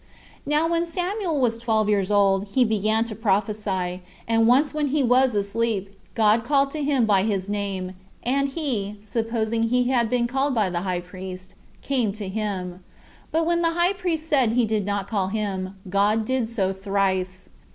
4. Now when Samuel was twelve years old, he began to prophesy: and once when he was asleep, God called to him by his name; and he, supposing he had been called by the high priest, came to him: but when the high priest said he did not call him, God did so thrice.